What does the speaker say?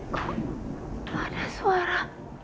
kok tuh ada suara